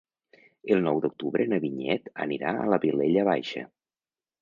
El nou d'octubre na Vinyet anirà a la Vilella Baixa.